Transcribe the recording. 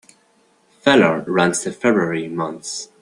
Feller runs the February months.